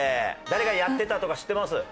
誰がやってたとか知ってます？